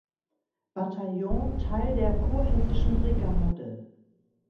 Bataillon Teil der kurhessischen Brigade.